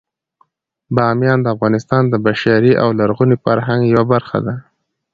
بامیان د افغانستان د بشري او لرغوني فرهنګ یوه برخه ده.